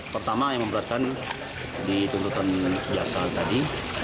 pertama yang memberatkan di tuntutan jasa tadi